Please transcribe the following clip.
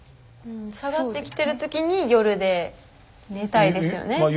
下がってきてるときに夜で寝たいですよね。